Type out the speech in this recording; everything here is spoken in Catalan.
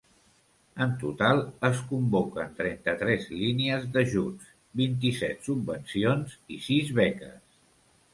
En total, es convoquen trenta-tres línies d'ajuts; vint-i-set subvencions i sis beques.